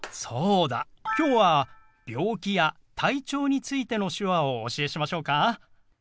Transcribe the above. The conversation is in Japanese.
そうだ今日は病気や体調についての手話をお教えしましょうか？